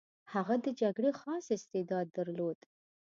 هغه د جګړې خاص استعداد درلود.